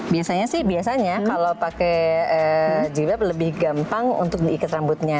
biasanya sih biasanya kalau pakai jilbab lebih gampang untuk diikat rambutnya